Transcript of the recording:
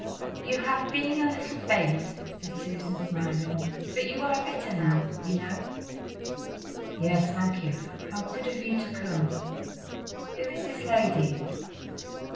"You have been a little faint," said Susan smiling, "but you are better now, you know!" "Yes, thank you! how good of you to come! Who is this lady?"